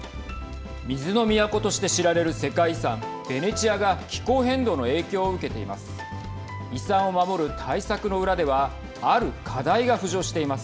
水の都として知られる世界遺産ベネチアが気候変動の影響を受けています。